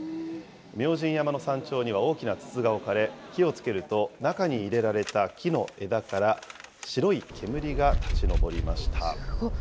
明神山の山頂には大きな筒が置かれ、火をつけると、中に入れられた木の枝から白い煙が立ち上りました。